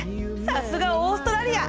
さすがオーストラリア！